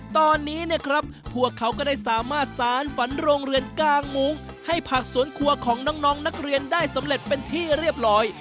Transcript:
ตอนนี้เนี่ยครับพวกเขาก็ได้สามารถสารฝันโรงเรือนกางมุ้งให้ผักสวนครัวของน้องนักเรียนได้สำเร็จเป็นที่เรียบร้อย